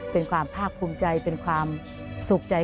เป็นความภาคภูมิใจเป็นความสุขใจ